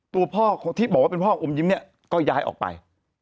ตัวพ่อที่บอกว่าเป็นพ่อของอมยิ้มเนี่ยก็ย้ายออกไป